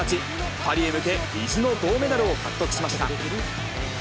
パリへ向け、意地の銅メダルを獲得しました。